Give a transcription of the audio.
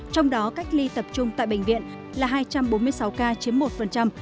trong đó cách ly tập trung tại bệnh viện là hai trăm bốn mươi sáu ca chiếm một